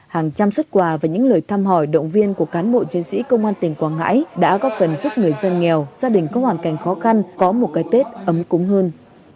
hàng trăm xuất quà và những lời thăm hỏi động viên của cán bộ chiến sĩ công an tỉnh quảng ngãi đã góp phần giúp người dân nghèo gia đình có hoàn cảnh khó khăn có một cái tết ấm cúng hơn